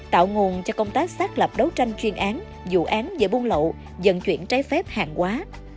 tạo nguồn cho công tác xác lập đấu tranh chuyên án dụ án và buôn lậu dần chuyển trái phép hàng quá